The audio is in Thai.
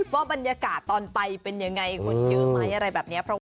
ว่าบรรยากาศตอนไปเป็นยังไงคนเยอะไหมอะไรแบบนี้